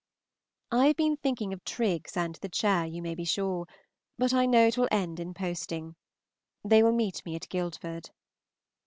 I have been thinking of Triggs and the chair, you may be sure, but I know it will end in posting. They will meet me at Guildford.